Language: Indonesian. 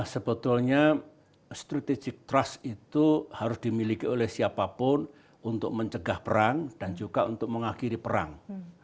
sebetulnya strategic trust itu harus dimiliki oleh siapapun untuk mencegah perang dan juga untuk mengakhiri perang